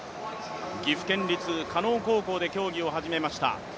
岐阜県立加納高校で競技を始めました。